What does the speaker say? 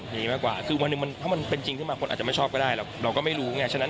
มีสิทธิ์ลุ้นหรือเปล่าะจัดไปเลยจ้ะ